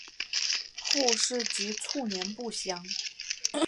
后事及卒年不详。